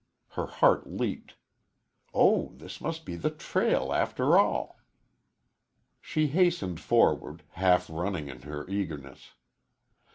Her heart leaped. Oh, this must be the trail, after all! She hastened forward, half running in her eagerness.